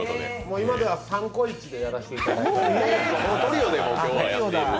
今ではサンコイチでやらせていただいて。